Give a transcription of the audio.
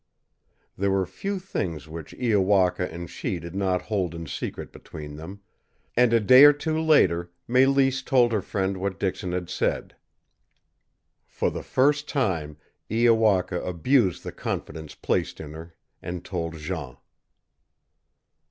There were few things which Iowaka and she did not hold in secret between them, and a day or two later Mélisse told her friend what Dixon had said. For the first time Iowaka abused the confidence placed in her, and told Jean.